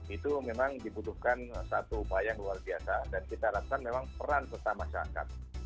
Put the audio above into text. itu memang dibutuhkan satu upaya yang luar biasa dan kita harapkan memang peran serta masyarakat